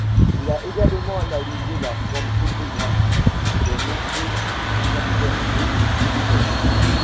Il a également analysé la forme topographique des nombreux craterlets lunaires.